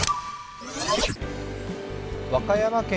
和歌山県